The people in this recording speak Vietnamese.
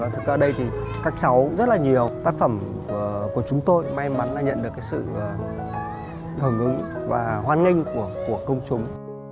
thì các cháu rất là nhiều tác phẩm của chúng tôi may mắn là nhận được sự hưởng ứng và hoan nghênh của công chúng